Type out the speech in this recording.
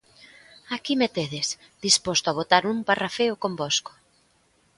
Aquí me tedes, disposto a botar un parrafeo convosco.